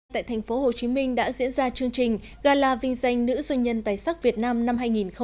tại thành phố hồ chí minh đã diễn ra chương trình gala vinh danh nữ doanh nhân tài sắc việt nam năm hai nghìn hai mươi